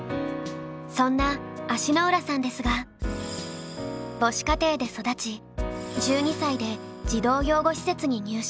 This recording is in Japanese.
そんな足の裏さんですが母子家庭で育ち１２歳で児童養護施設に入所。